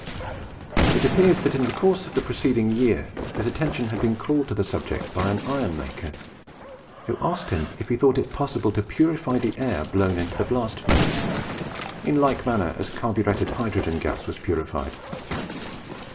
It appears that in the course of the preceding year his attention had been called to the subject by an iron maker, who asked him if he thought it possible to purify the air blown into the blast furnaces, in like manner as carburetted hydrogen gas was purified.